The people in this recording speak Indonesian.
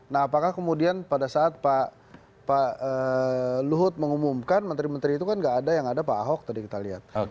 nah apakah kemudian pada saat pak luhut mengumumkan menteri menteri itu kan gak ada yang ada pak ahok tadi kita lihat